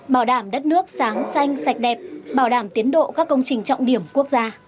bảo đảm đất nước sáng xanh sạch đẹp bảo đảm tiến độ các công trình trọng điểm quốc gia